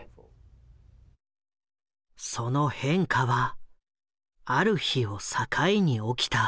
その変化はある日を境に起きた。